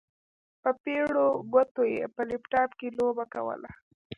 په پېړو ګوتو يې په لپټاپ کې لوبه کوله.